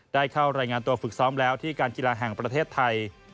ได้เข้ารายงานตัวฝึกซ้อมแล้วที่การกีฬาแห่งประเทศไทย